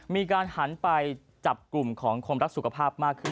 มีการหันไปจับกลุ่มของคนรักสุขภาพมากขึ้น